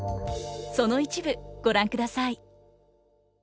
その一部ご覧ください。